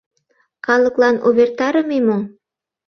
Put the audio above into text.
Калыклан увертарыме мо?